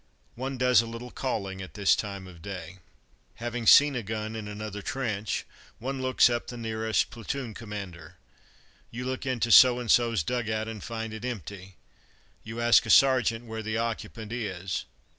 One does a little calling at this time of day. Having seen a gun in another trench, one looks up the nearest platoon commander. You look into so and so's dug out and find it empty. You ask a sergeant where the occupant is.